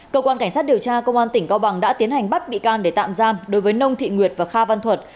cơ quan cảnh sát điều tra công an tỉnh cao bằng đã tiến hành bắt bị can để tạm giam đối với nông thị nguyệt và kha văn thuật